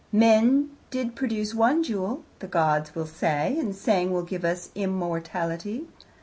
"Men did produce one jewel," the gods will say, and, saying, will give us immortality.